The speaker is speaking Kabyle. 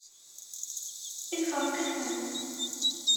Ifṛeq-iten.